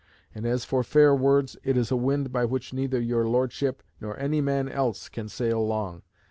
And as for fair words, it is a wind by which neither your Lordship nor any man else can sail long.